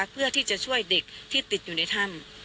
เพื่อที่จะช่วยเด็กที่ติดอยู่ในถ้ำ